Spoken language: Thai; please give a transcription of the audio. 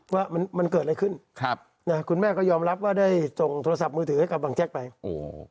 ว่ามันมันเกิดอะไรขึ้นครับนะคุณแม่ก็ยอมรับว่าได้ส่งโทรศัพท์มือถือให้กับบังแจ๊กไปโอ้